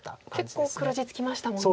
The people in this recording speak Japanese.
結構黒地つきましたもんね。